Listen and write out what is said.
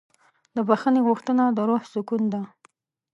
د بښنې غوښتنه د روح سکون ده.